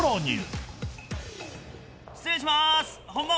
・失礼します。